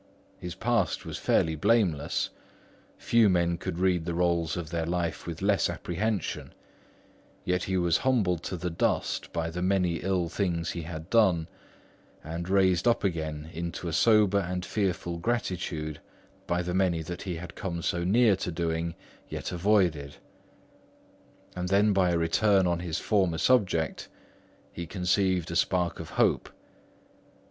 His past was fairly blameless; few men could read the rolls of their life with less apprehension; yet he was humbled to the dust by the many ill things he had done, and raised up again into a sober and fearful gratitude by the many he had come so near to doing yet avoided. And then by a return on his former subject, he conceived a spark of hope.